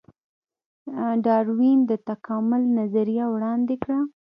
ډاروین د تکامل نظریه ورکړه